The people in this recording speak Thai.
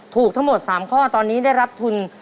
ถูกทั้งหมด๓ข้อตอนนี้ได้รับทุน